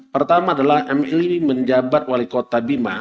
pertama adalah mui menjabat wali kota bima